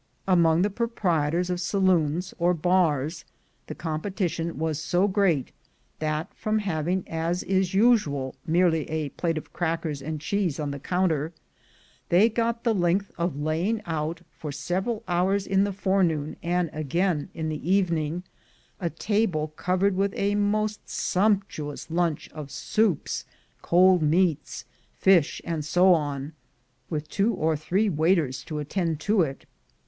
Among the proprietors of saloons, or bars, the competition was so great, that, from having, as is usual, merely a plate of crackers and cheese on the counter, they got the length of laying out, for several hours in the forenoon, and again in the evening, a table covered with a most sumptuous lunch of soups, cold meats, fish, and so on, — with two or three waiters to attend to it.